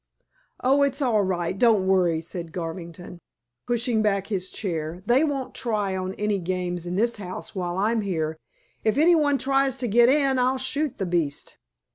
"Oh, it's all right! Don't worry," said Garvington, pushing back his chair. "They won't try on any games in this house while I'm here. If any one tries to get in I'll shoot the beast."